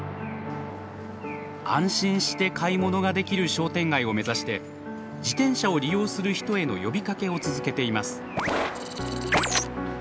安心して買い物ができる商店街を目指して自転車を利用する人への呼びかけを続けています。